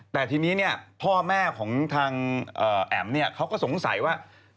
แต่ทีนี้พ่อแม่ของทางแอ๋มเขาก็สงสัยว่า